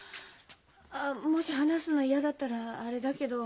もし話すの嫌だったらあれだけど。